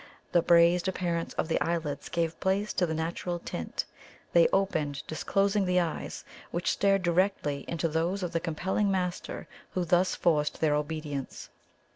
The braised appearance of the eyelids gave place to the natural tint they opened, disclosing the eyes, which stared directly into those of the compelling Master who thus forced their obedience.